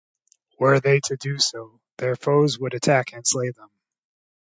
Were they to do so, their foes would attack and slay them.